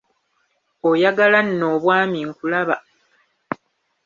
Oyagala nno obwami nkulaba!